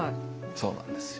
そうなんですよ。